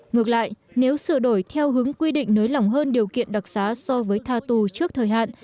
ngược lại nếu sửa đổi theo hướng quy định nới lỏng hơn điều kiện đặc xá so với tha tù trước thời hạn